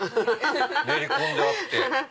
練り込んであって。